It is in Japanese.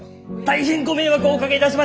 大変ご迷惑をおかけいたしました！